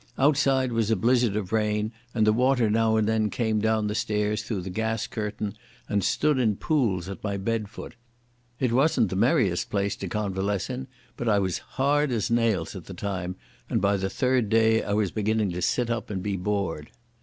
Outside was a blizzard of rain, and the water now and then came down the stairs through the gas curtain and stood in pools at my bed foot. It wasn't the merriest place to convalesce in, but I was as hard as nails at the time and by the third day I was beginning to sit up and be bored.